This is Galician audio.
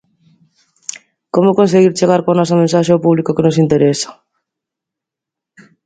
Como conseguir chegar coa nosa mensaxe ao público que nos interesa?